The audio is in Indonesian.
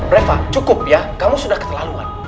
reva cukup ya kalau sudah keterlaluan